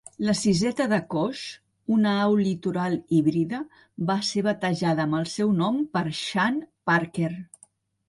La siseta de Cox, una au litoral híbrida, va ser batejada amb el seu nom per Shane Parker.